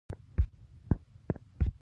یو له بل سره ارتباط نه لري.